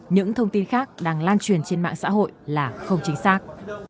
những thông tin khác đang lan truyền trên mạng xã hội là không chính xác